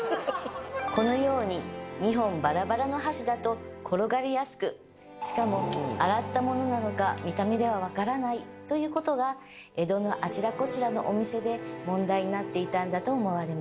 このように２本バラバラの箸だと転がりやすくしかも洗ったものなのか見た目では分からないということが江戸のあちらこちらのお店で問題になっていたんだと思われます